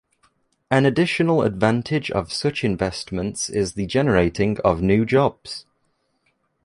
An additional advantage of such investments is the generating of new jobs.